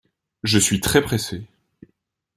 Je suis très pressé.